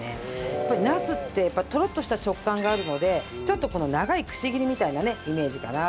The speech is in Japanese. やっぱりナスってトロッとした食感があるのでちょっとこの長いくし切りみたいなねイメージかな。